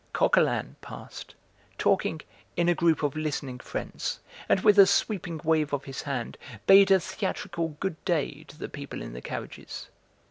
Coquelin passed, talking, in a group of listening friends, and with a sweeping wave of his hand bade a theatrical good day to the people in the carriages.